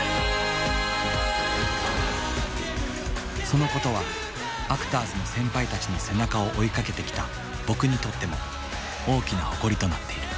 そのことはアクターズの先輩たちの背中を追いかけてきた僕にとっても大きな誇りとなっている。